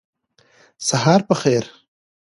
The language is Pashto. سهار په خیر